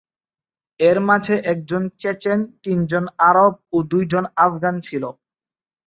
এর মাঝে একজন চেচেন, তিনজন আরব ও দুইজন আফগান ছিল।